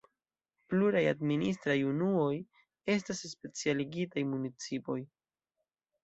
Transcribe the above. Pluraj administraj unuoj estas specialigitaj municipoj.